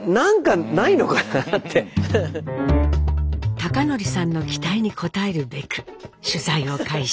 貴教さんの期待に応えるべく取材を開始。